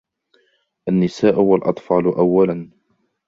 النساء و الأطفال أولا!